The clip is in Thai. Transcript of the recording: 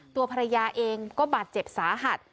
ตัวภรรยาเองก็บาดเจ็บสาหัส